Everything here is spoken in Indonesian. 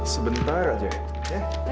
sebentar aja ya